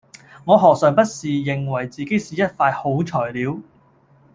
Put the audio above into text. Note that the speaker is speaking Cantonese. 我何嘗不是認為自己是一塊好材料